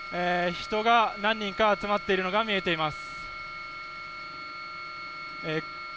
人が何人か集まっているのが見えています。